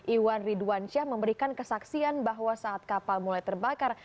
iwan ridwansyah memberikan kesaksian bahwa saat kapal mulai terbakar